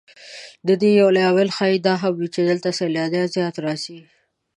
د دې یو لامل ښایي دا هم وي چې دلته سیلانیان زیات راځي.